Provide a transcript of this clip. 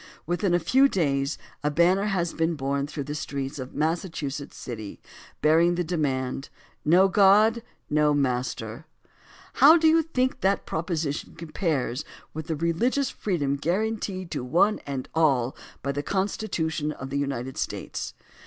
Within a few days a banner has been borne through the streets of a Massachusetts city bearing the demand: "No God — No Master." How do you think that proposition compares with the religious freedom guaranteed to one and all by the Constitution of the United States?